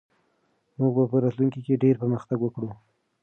موږ به په راتلونکي کې ډېر پرمختګ وکړو.